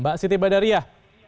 mbak siti badriah